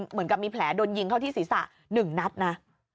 เหมือนกับมีแผลโดนยิงเข้าที่ศีรษะ๑นัดนะ